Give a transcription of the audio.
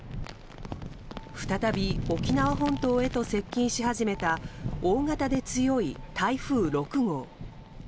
再び、沖縄本島へと接近し始めた大型で強い台風６号。